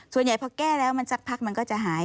ส่วนใหญ่พอแก้แล้วมันสักพักมันก็จะหาย